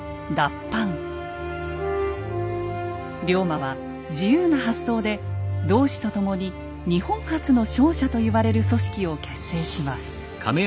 龍馬は自由な発想で同志と共に日本初の商社と言われる組織を結成します。